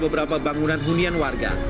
beberapa bangunan hunian warga